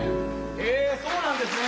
ええそうなんですね。